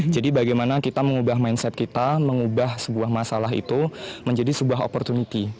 jadi bagaimana kita mengubah mindset kita mengubah sebuah masalah itu menjadi sebuah opportunity